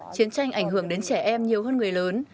chiến tranh ảnh hưởng đến trẻ em nhiều hơn người lớn